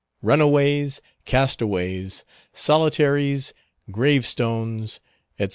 RUNAWAYS, CASTAWAYS, SOLITARIES, GRAVE STONES, ETC.